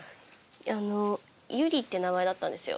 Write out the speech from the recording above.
あの「ユリ」って名前だったんですよ